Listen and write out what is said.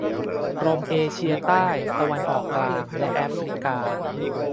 กรมเอเชียใต้ ตะวันออกกลาง และแอฟริกา